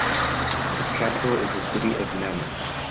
Its capital is the city of Namur.